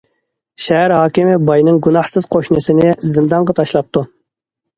شەھەر ھاكىمى باينىڭ گۇناھسىز قوشنىسىنى زىندانغا تاشلاپتۇ.